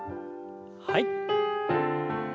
はい。